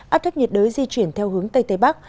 áp thấp nhiệt đới di chuyển theo hướng tây tây bắc